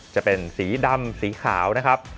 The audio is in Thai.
จะเป็นสีดำสีขาวนะครับ